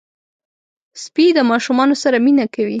سپي د ماشومانو سره مینه کوي.